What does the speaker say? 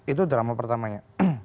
itu drama pertamanya